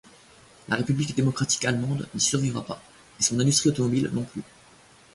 La République démocratique allemande n’y survivra pas, et son industrie automobile non plus.